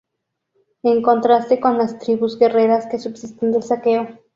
En contraste con las tribus guerreras que subsisten del saqueo".